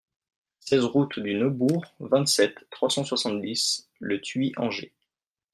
seize route du Neubourg, vingt-sept, trois cent soixante-dix, Le Thuit-Anger